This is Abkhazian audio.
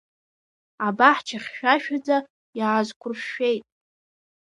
Абаҳча хьшәашәаӡа иаазқәршәшәеит.